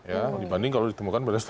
ya dibanding kalau ditemukan berapa besar